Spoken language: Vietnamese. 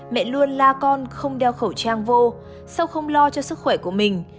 mẹ luôn la con không đeo khẩu trang vô sau không lo cho sức khỏe của mình